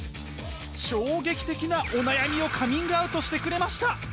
衝撃的なお悩みをカミングアウトしてくれました。